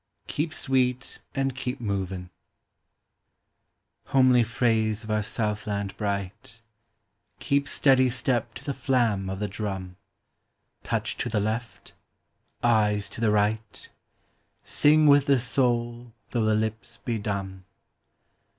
"KEEP SWEET AND KEEP MOVINV Homely phrase of our southland bright — Keep steady step to the flam of the drum ; Touch to the left — eyes to the right — Sing with the soul tho' the lips be dumb.